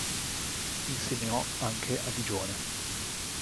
Insegnò anche a Digione.